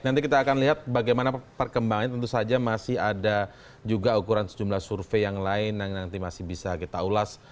nanti kita akan lihat bagaimana perkembangannya tentu saja masih ada juga ukuran sejumlah survei yang lain yang nanti masih bisa kita ulas